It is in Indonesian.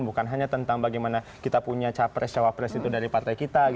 bukan hanya tentang bagaimana kita punya capres cawapres itu dari partai kita